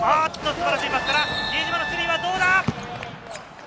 素晴らしいパスから比江島のスリーはどうだ？